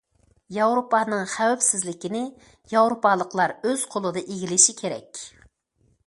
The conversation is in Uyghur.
ياۋروپانىڭ خەۋپسىزلىكىنى ياۋروپالىقلار ئۆز قولىدا ئىگىلىشى كېرەك.